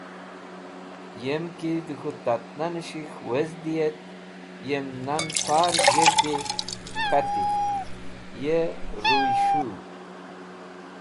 Yem ki dem k̃hũ tatnan s̃hik̃h wezdi et yem nan far g̃hirdi, k̃hati: Ye ruys̃hũw!